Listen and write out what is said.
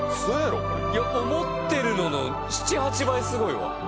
思ってるのの７８倍すごいわ。